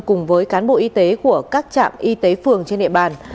cùng với cán bộ y tế của các trạm y tế phường trên địa bàn